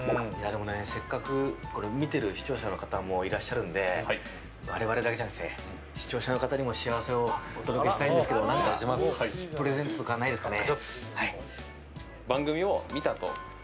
せっかく見ている視聴者の方もいらっしゃるので我々だけじゃなくて視聴者の方にも幸せをお届けしたいんですけど何かプレゼントとかないですかね。